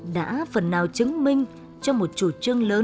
đã phần nào chứng minh cho một chủ trương lớn